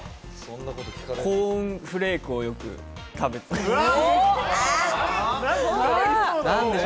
コーンフレークをよく食べています。